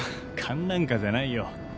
勘なんかじゃないよ。